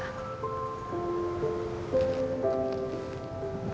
kecuali apa pak